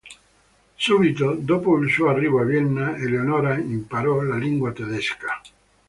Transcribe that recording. Subito dopo il suo arrivo a Vienna, Eleonora imparò la lingua tedesca.